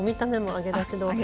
揚げだし豆腐。